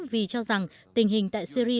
vì cho rằng tình hình tại syria